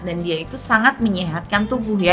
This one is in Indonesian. dan dia itu sangat menyehatkan tubuh ya